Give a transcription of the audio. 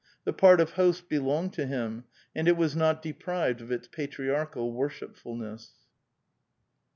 The part of host belonged to him, and it was not deprived of its patriarchal worshipfulness.